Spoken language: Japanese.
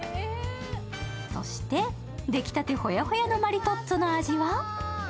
そして、出来たてホヤホヤのマリトッツォの味は？